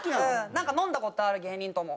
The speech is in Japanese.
なんか飲んだ事ある芸人とも。